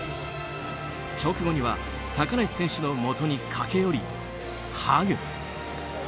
直後には高梨選手のもとに駆け寄りハグ。